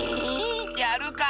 やるか！